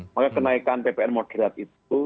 maka kenaikan ppn moderat itu